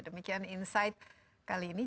demikian insight kali ini